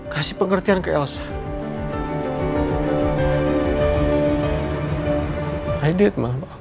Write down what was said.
kasih pengertian ke elsa